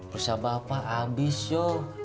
perusahaan bapak abis yo